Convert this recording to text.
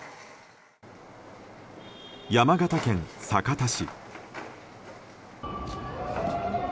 山形県酒田市。